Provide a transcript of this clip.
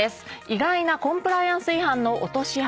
意外なコンプライアンス違反の落とし穴。